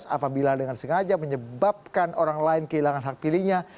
apabila dengan sengaja menyebabkan orang lain kehilangan hak pilihnya